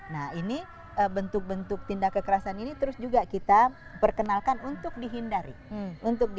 nah ini bentuk bentuk tindak kekerasan ini terus juga kita perkenalkan untuk dihindari